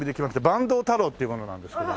坂東太郎っていう者なんですけど。